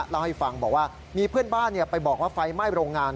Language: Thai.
เล่าให้ฟังบอกว่ามีเพื่อนบ้านไปบอกว่าไฟไหม้โรงงาน